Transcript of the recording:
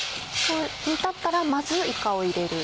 煮立ったらまずいかを入れる？